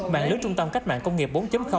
bạn lớn trung tâm cách mạng công nghiệp bốn